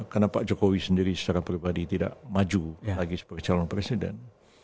karena pak jokowi sendiri secara pribadi tidak maju lagi sebagai calon presiden